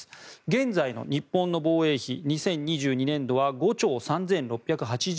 現在の日本の防衛費２０２２年度は５兆３６８７億円。